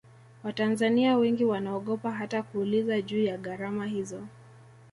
watanzania wengi wanaogopa hata kuuliza juu ya gharama hizo